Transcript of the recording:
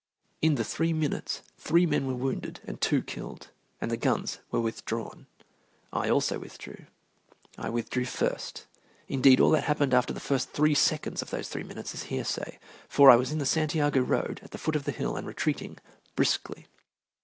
In the three minutes three men were wounded and two killed; and the guns were withdrawn. I also withdrew. I withdrew first. Indeed, all that happened after the first three seconds of those three minutes is hearsay, for I was in the Santiago road at the foot of the hill and retreating briskly.